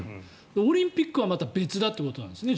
オリンピックはまた別だということなんですね。